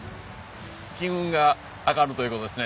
金運が上がるという事ですね。